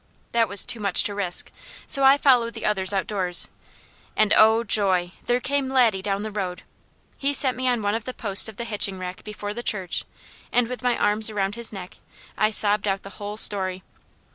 That was too much to risk, so I followed the others outdoors, and oh joy! there came Laddie down the road. He set me on one of the posts of the hitching rack before the church, and with my arms around his neck, I sobbed out the whole story.